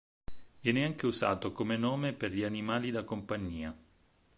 Viene anche usato come nome per gli animali da compagnia.